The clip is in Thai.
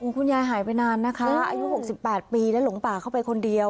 คุณยายหายไปนานนะคะอายุ๖๘ปีและหลงป่าเข้าไปคนเดียว